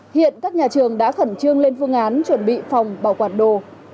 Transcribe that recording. hiện các nhà trường đã khẩn trương lên phương án chuẩn bị phòng bảo quản đồ